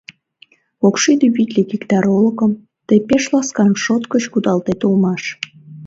Кок шӱдӧ витле гектар олыкым тый пеш ласкан шот гыч кудалтет улмаш.